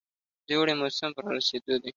د اوړي موسم په رارسېدو.